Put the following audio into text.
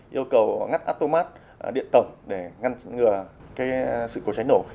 yêu cầu ngắt atomat điện tổng để ngăn ngừa sự cố cháy nổ